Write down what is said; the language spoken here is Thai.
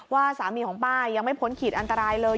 ว่าสามีของป้ายังไม่พ้นขีดอันตรายเลย